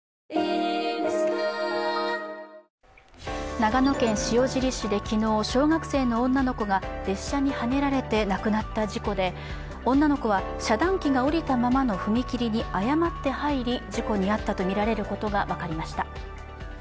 長野県塩尻市で昨日、小学生の女の子が列車にはねられて亡くなった事故で女の子は、遮断機が下りたままの踏切に誤って入り事故に遭ったとみられることが分かりました。